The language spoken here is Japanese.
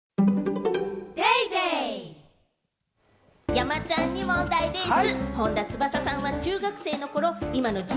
山ちゃんに問題でぃす。